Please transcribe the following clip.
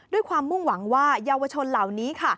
ด้วยความมุ่งหวังว่าเยาวชนเหล่านี้ค่ะ